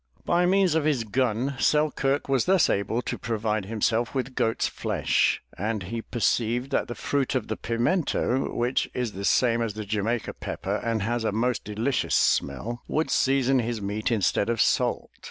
By means of his gun, Selkirk was thus able to provide himself with goat's flesh, and he perceived that the fruit of the pimento which is the same as the Jamaica pepper and has a most delicious smell, would season his meat instead of salt.